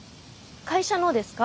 会社のですか？